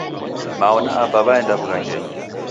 Mao na Aba waenda wughangenyi